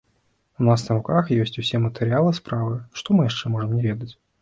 У нас на руках ёсць усе матэрыялы справы, што мы яшчэ можам не ведаць?